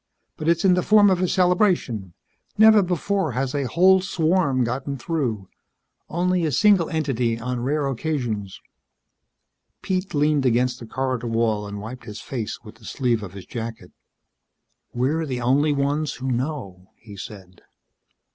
But it's in the form of a celebration. Never before has a whole swarm gotten through. Only a single entity on rare occasions." Pete leaned against the corridor wall and wiped his face with the sleeve of his jacket. "We're the only ones who know," he said.